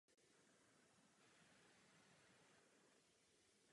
Svoboda vyjadřování se musí uplatňovat i na internetu.